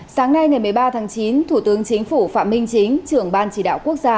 sáng nay ngày một mươi ba tháng chín thủ tướng chính phủ phạm minh chính trưởng ban chỉ đạo quốc gia